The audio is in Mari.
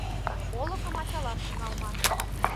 Олыкым ачалаш тӱҥалман.